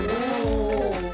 お！